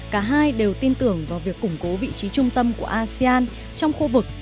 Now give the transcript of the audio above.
cả hai đều tin tưởng vào việc củng cố vị trí trung tâm của asean trong khu vực